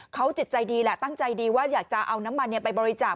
เขาจิตใจดีแหละตั้งใจดีว่าอยากจะเอาน้ำมันไปบริจาค